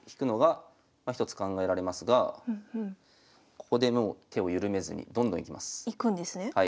ここでもう手を緩めずにどんどんいきます。